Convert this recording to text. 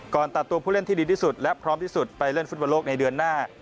ตัดตัวผู้เล่นที่ดีที่สุดและพร้อมที่สุดไปเล่นฟุตบอลโลกในเดือนหน้า